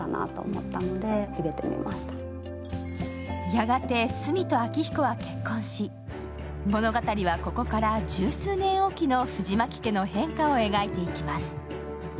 やがてスミと昭彦は結婚し、物語はここから十数年置きの藤巻家の変化を描いていきます。